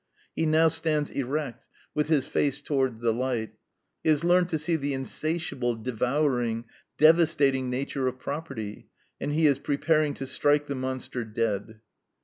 He now stands erect, with his face toward the light. He has learned to see the insatiable, devouring, devastating nature of property, and he is preparing to strike the monster dead.